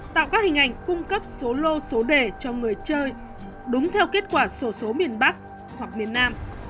tạo các hình ảnh cung cấp số lô số đề cho người chơi đúng theo kết quả sổ số miền bắc hoặc miền nam